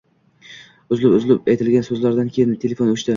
Uzulib-uzulib aytilgan so'zlardan keyin telefon o'chdi